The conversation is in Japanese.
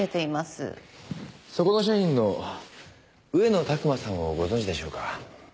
そこの社員の上野拓馬さんをご存じでしょうか？